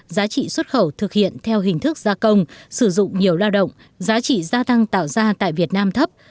giá trị xuất khẩu thực hiện theo hình thức gia công sử dụng nhiều lao động giá trị gia tăng tạo ra tại việt nam thấp